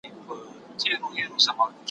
د کسبونو جایدادونو ګروېږني